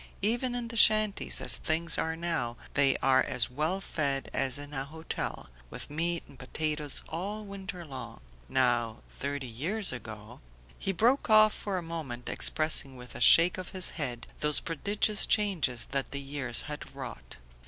Even in the shanties, as things are now, they are as well fed as in a hotel, with meat and potatoes all winter long. Now, thirty years ago ..." He broke off for a moment, expressing with a shake of his head those prodigious changes that the years had wrought.